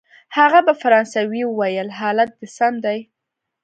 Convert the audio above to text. هغه په فرانسوي وویل: حالت دی سم دی؟